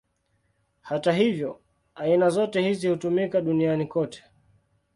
Hata hivyo, aina zote hizi hutumika duniani kote.